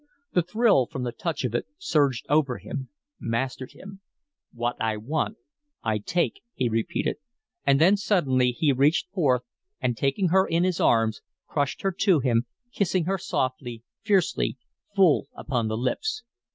The thrill from the touch of it surged over him mastered him. "What I want I take," he repeated, and then suddenly he reached forth and, taking her in his arms, crushed her to him, kissing her softly, fiercely, full upon the lips.